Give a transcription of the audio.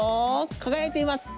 輝いています。